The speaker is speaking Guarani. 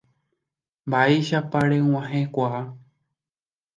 Mba'éichapa reg̃uahẽkuaa.